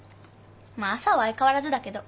まあ朝は相変わらずだけど。